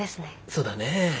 そうだねえ。